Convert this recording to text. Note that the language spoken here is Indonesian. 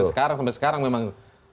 sampai sekarang memang